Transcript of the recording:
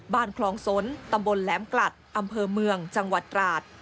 คลองสนตำบลแหลมกลัดอำเภอเมืองจังหวัดตราด